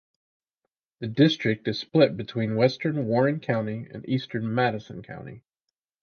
The district is split between western Warren County and eastern Madison County.